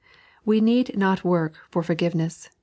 We need not work for forgiveness ; 3.